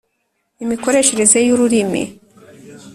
imikoreshereze y ururimi